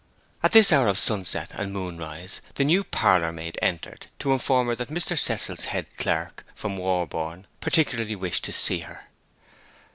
At this hour of sunset and moonrise the new parlourmaid entered, to inform her that Mr. Cecil's head clerk, from Warborne, particularly wished to see her.